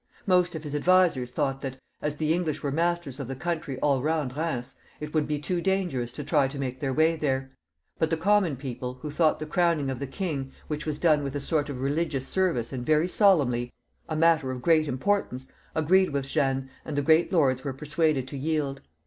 Most of his advisers thought that as the English were masters of the country all round Eheims, it would be too dangerous to try and make their way there; but the conmion people, who thought the crowning of the king, which was done with a sort of religious service and very solemnly, a matter of great im portance, agreed with Jeanne, and the great lords were persuaded to yield.